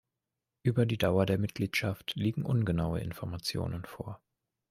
Über die Dauer der Mitgliedschaft liegen ungenaue Informationen vor.